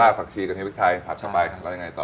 รากผักชีกระเทียมพริกไทยผัดเข้าไปแล้วยังไงต่อ